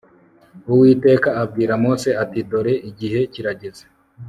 uwiteka abwira mose ati “dore igihe kirageze